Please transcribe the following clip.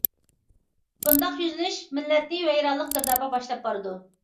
بۇنداق يۈزلىنىش مىللەتنى ۋەيرانلىق گىردابىغا باشلاپ بارىدۇ.